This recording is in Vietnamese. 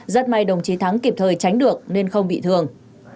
rất may đồng chí thắng kịp thời tránh được nên không bị thương